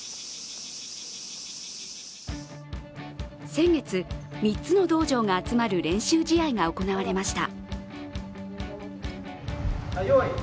先月、３つの道場が集まる練習試合が行われました。